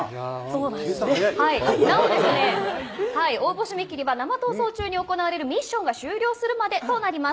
なお、応募締め切りは生放送中に行われるミッションが終了するまでとなります。